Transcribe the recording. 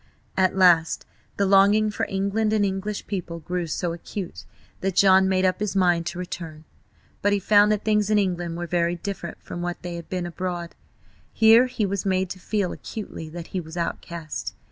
At last the longing for England and English people grew so acute that John made up his mind to return. But he found that things in England were very different from what they had been abroad. Here he was made to feel acutely that he was outcast.